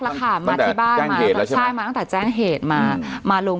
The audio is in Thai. แล้วค่ะมาที่บ้านมาใช่มาตั้งแต่แจ้งเหตุมามาลง